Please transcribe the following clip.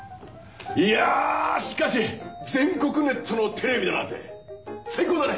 いやしかし全国ネットのテレビだなんて最高だね！